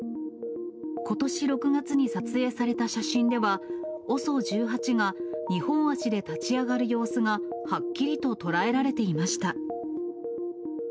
ことし６月に撮影された写真では、ＯＳＯ１８が２本足で立ち上がる様子がはっきりと捉えられていました。